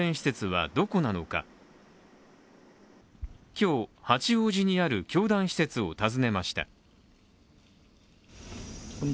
今日、八王子にある教団施設を訪ねました。